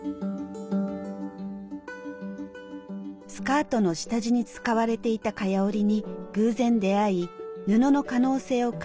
スカートの下地に使われていた蚊帳織に偶然出会い布の可能性を感じた靖さん。